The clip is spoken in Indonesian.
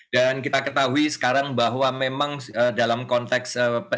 dan kita ketahui sekarang bahwa memang dalam konteks